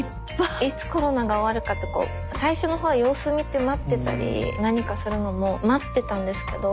いつコロナが終わるかとか最初のほうは様子見て待ってたり何かするのも待ってたんですけど。